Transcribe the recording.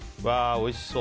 おいしそう。